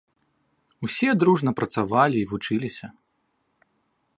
Усе дружна працавалі і вучыліся.